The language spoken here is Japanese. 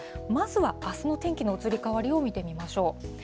まずは、あすの天気の移り変わりを見てみましょう。